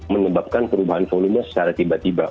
menebabkan perubahan volumenya secara tiba tiba